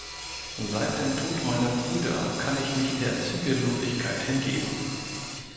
Seit dem Tod meiner Brüder kann ich mich der Zügellosigkeit hingeben.